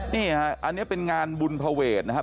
นี่ฮะอันนี้เป็นงานบุญภเวทนะครับ